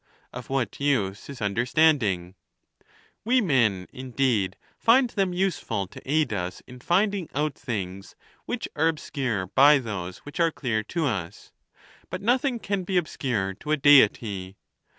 of what use is understanding? We men, indeed, iind them useful to aid us in finding out things which are obscure by those which are clear to us; but nothing can be obscure to a Deity.